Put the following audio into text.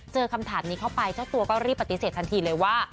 คำถามนี้เข้าไปเจ้าตัวก็รีบปฏิเสธทันทีเลยว่า